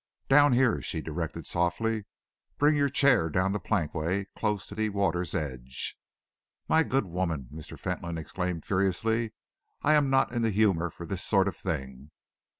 "Down here," she directed softly. "Bring your chair down the plank way, close to the water's edge." "My good woman," Mr. Fentolin exclaimed furiously, "I am not in the humour for this sort of thing!